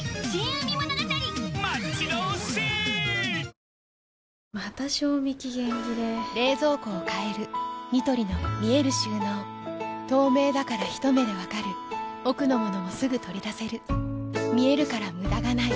香りに驚くアサヒの「颯」また賞味期限切れ冷蔵庫を変えるニトリの見える収納透明だからひと目で分かる奥の物もすぐ取り出せる見えるから無駄がないよし。